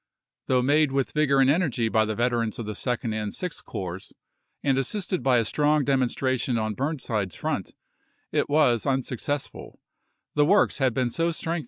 Though made with vigor and energy by the veterans of the Second and Sixth Corps, and assisted by a strong demon stration on Burn side's front, it was unsuccessful; the works had been so strengthened and were so 1 General Humphreys (p.